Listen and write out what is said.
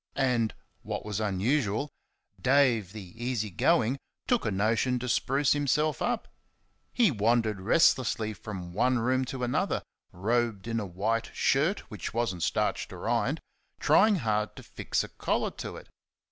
And, what was unusual, Dave, the easy going, took a notion to spruce himself up. He wandered restlessly from one room to another, robed in a white shirt which was n't starched or ironed, trying hard to fix a collar to it.